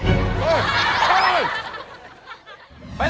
เฮ่ยใช่